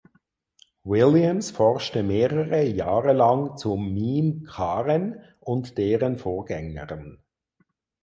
Williams forschte mehrere Jahre lang zum Meme „Karen“ und deren Vorgängern.